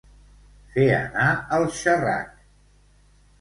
Fer anar el xerrac.